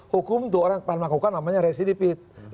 hukum tuh orang yang pernah melakukan namanya residipi